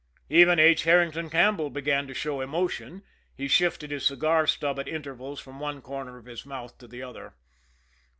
Even H. Herrington Campbell began to show emotion he shifted his cigar stub at intervals from one corner of his mouth to the other.